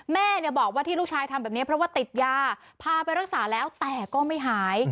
แม่บอกว่าที่ลูกชายทำแบบนี้เพราะว่าติดยาพาไปรักษาแล้วแต่ก็ไม่หาย